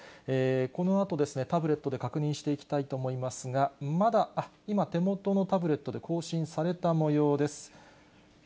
このあと、タブレットで確認していきたいと思いますが、まだ、あっ、今、手元のタブレットで更新されたもようです。